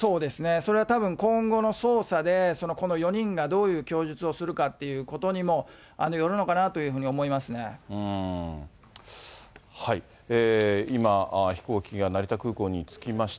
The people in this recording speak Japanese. それはたぶん、今後の捜査でこの４人がどういう供述をするかということにもよる今、飛行機が成田空港に着きました。